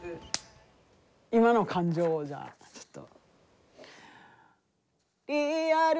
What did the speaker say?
今の感情をじゃあちょっと。